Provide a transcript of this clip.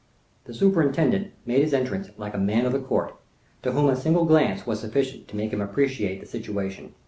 The superintendent made his entrance like a man of the court, to whom a single glance was sufficient to make him appreciate the situation.